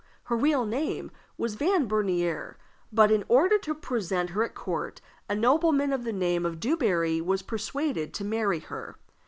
Her real name was Vanbernier; but, in order to present her at court, a nobleman of the name of Dubarry was persuaded to marry her.